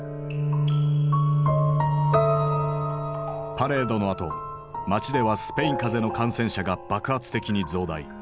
パレードのあと街ではスペイン風邪の感染者が爆発的に増大。